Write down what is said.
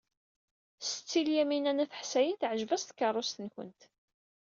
Setti Lyamina n At Ḥsayen teɛjeb-as tkeṛṛust-nwent.